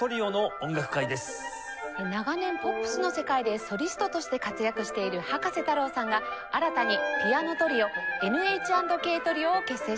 長年ポップスの世界でソリストとして活躍している葉加瀬太郎さんが新たにピアノトリオＮＨ＆ＫＴＲＩＯを結成しました。